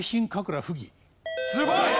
すごい！